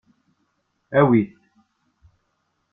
Awi-t.